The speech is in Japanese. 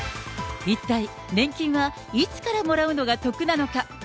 一体、年金はいつからもらうのが得なのか。